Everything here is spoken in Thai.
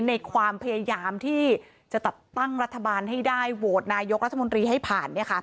ในความพยายามที่จะจัดตั้งรัฐบาลให้ได้โหวตนายกรัฐมนตรีให้ผ่าน